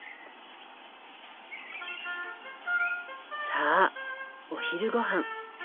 さあお昼ごはん。